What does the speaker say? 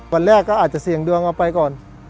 วันแรกก็อาจจะเสี่ยงดวงเอาไปก่อน